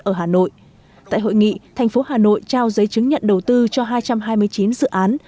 ở hà nội tại hội nghị thành phố hà nội trao giấy chứng nhận đầu tư cho hai trăm hai mươi chín dự án